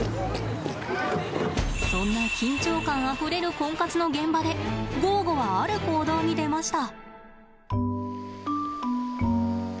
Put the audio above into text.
そんな緊張感あふれるコンカツの現場でゴーゴはある行動に出ました。